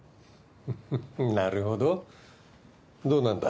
フッフなるほどどうなんだ？